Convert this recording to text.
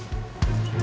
kamu mau ke rumah